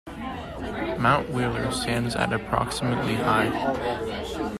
Mount Wheeler stands at approximately high.